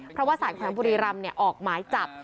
เพราะว่าสารแขวงบุรีรำออกหมายจับ